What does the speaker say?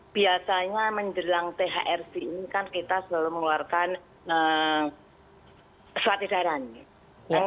biasanya menjelang thrb ini kan kita selalu mengeluarkan surat edaran